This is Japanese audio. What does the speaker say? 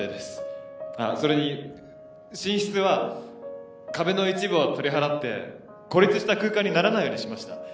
それに寝室は壁の一部を取り払って孤立した空間にならないようにしました。